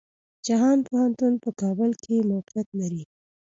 جهان پوهنتون په کابل کې موقيعت لري.